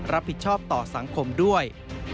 รับผิดชอบต่อสังคมด้วย